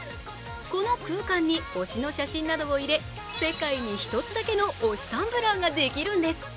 この空間に推しの写真などを入れ世界に１つだけの推しタンブラーができるんです。